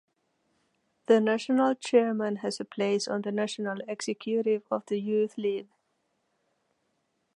The national chairman has a place on the national executive of the Youth League.